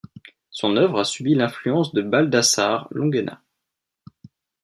Son œuvre a subi l'influence de Baldassare Longhena.